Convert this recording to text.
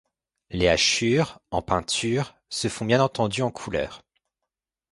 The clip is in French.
Les hachures, en peinture, se font bien entendu en couleurs.